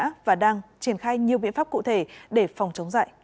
tỉnh yên bái đã và đang triển khai nhiều biện pháp cụ thể để phòng chống dạy